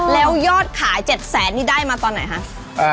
แล้วยอดขาย๗๐๐๐๐๐บาทได้มาตอนไหนครับ